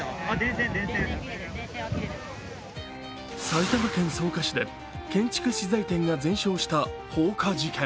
埼玉県草加市で建築資材店が全焼した放火事件。